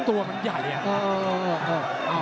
ตัวมันใหญ่อะ